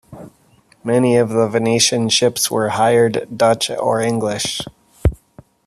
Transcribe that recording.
Many of the Venetian ships were hired Dutch or English.